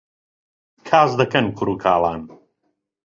کاس دەکەن کوڕ و کاڵان